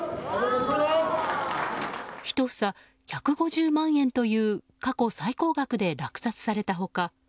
１房１５０万円という過去最高額で落札された他。